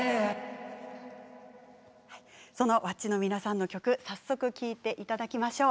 そのｗａｃｃｉの皆さんの曲聴いていただきましょう。